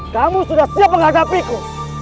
kamu sudah siap menghadapiku